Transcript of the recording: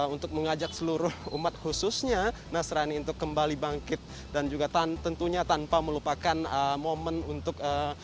untuk mengajak seluruh umat khususnya nasrani untuk kembali bangkit dan juga tentunya tanpa melupakan momen untuk